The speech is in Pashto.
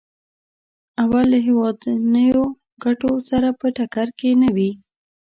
او له هېوادنیو ګټو سره په ټکر کې نه وي.